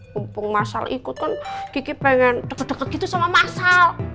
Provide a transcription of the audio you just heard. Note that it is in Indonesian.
mumpung masal ikut kan kiki pengen deket deket gitu sama masal